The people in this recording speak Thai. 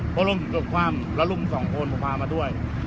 เพราะร่วมผมเกิดความแล้วลูกผมสองคนผมพามาด้วย